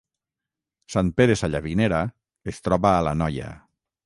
Sant Pere Sallavinera es troba a l’Anoia